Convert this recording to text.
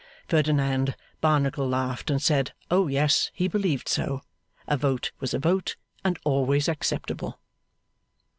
Ferdinand Barnacle laughed, and said oh yes, he believed so. A vote was a vote, and always acceptable.